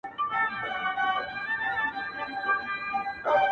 د شنه چنار په ننداره وزمه،